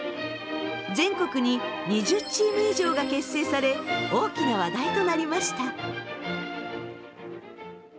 全国に２０チーム以上が結成され大きな話題となりました。